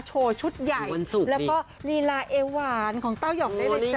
ชุดใหญ่แล้วก็ลีลาเอหวานของเต้ายองได้เลยจ้